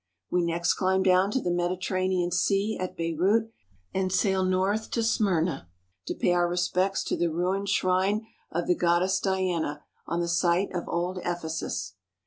We next climb down to the Mediterranean Sea at Beirut and sail north to Smyrna to pay our respects to the ruined shrine of the Goddess Diana on the site of old Ephesus.